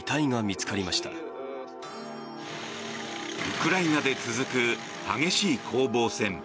ウクライナで続く激しい攻防戦。